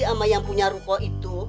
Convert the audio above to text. sama yang punya ruko itu